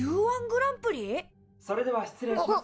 ・それでは失礼します。